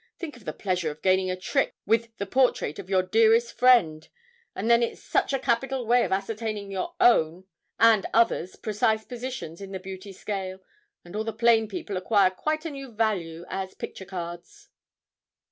Think of the pleasure of gaining a trick with the portrait of your dearest friend, and then it's such a capital way of ascertaining your own and others' precise positions in the beauty scale, and all the plain people acquire quite a new value as picture cards.'